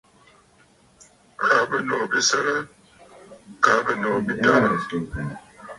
Àa bɨ̀nòò bi səgə? Àa bɨnòò bi tarə̀.